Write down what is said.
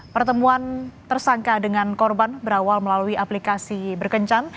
pertemuan tersangka dengan korban berawal melalui aplikasi berkencan